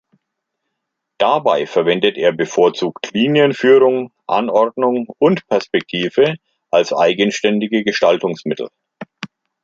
Dabei verwendet er bevorzugt Linienführung, Anordnung und Perspektive als eigenständige Gestaltungsmittel.